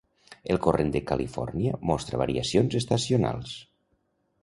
El corrent de califòrnia mostra variacions estacionals.